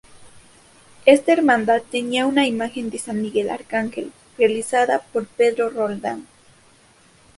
Esta hermandad tenía una imagen de San Miguel Arcángel, realizada por Pedro Roldán.